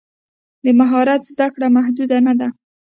د مهارت زده کړه محدود نه ده.